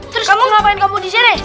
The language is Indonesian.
terus kamu ngapain kamu di sini